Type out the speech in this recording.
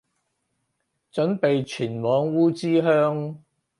準備前往烏之鄉